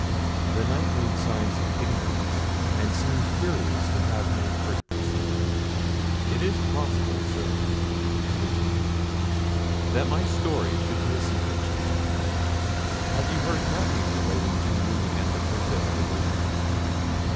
The Knight made signs of ignorance, and seemed curious to have Manfred proceed. "Is it possible, Sirs," continued the Prince, "that my story should be a secret to you? Have you heard nothing relating to me and the Princess Hippolita?"